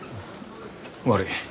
悪い。